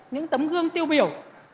những tấm gương tiêu biểu